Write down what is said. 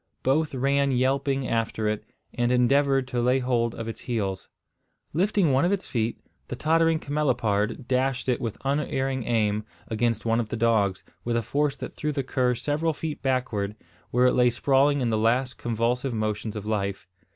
Both ran yelping after it, and endeavoured to lay hold of its heels. Lifting one of its feet, the tottering camelopard dashed it with unerring aim against one of the dogs, with a force that threw the cur several feet backward, where it lay sprawling in the last convulsive motions of life.